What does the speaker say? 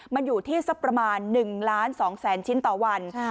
มันอยู่ที่สักประมาณ๑ล้าน๒แสนชิ้นต่อวัน